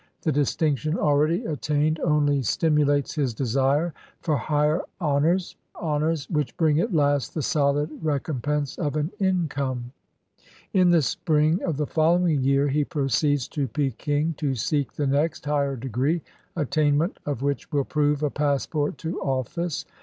The distinction already attained only stimulates his desire for higher honors — honors, which bring at last the solid recompense of an income. In the spring of the following year he proceeds to Peking to seek the next higher degree, attainment of which will prove a passport to office.